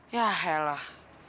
yah ya lah